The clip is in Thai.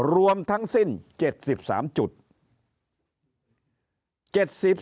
รวมทั้งสิ้น๗๓จุด